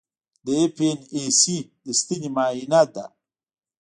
د ایف این ای سي د ستنې معاینه ده.